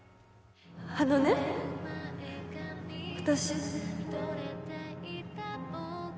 あのね私